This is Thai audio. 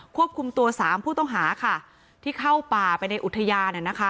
ควบคุมตัวสามผู้ต้องหาค่ะที่เข้าป่าไปในอุทยาน